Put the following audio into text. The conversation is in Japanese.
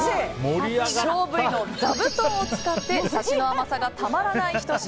希少部位のザブトンを使ってサシの甘さがたまらない、ひと品。